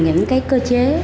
những cái cơ chế